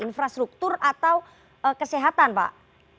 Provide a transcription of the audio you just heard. infrastruktur atau kesehatan pak